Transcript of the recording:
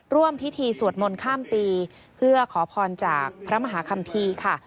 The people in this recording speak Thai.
ร่วมพิธีสวดมนต์ข้ามปีเพื่อขอพรจากพระมหาคัมภีร์ค่ะ